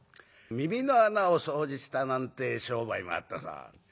耳の穴を掃除したなんて商売もあったそうです。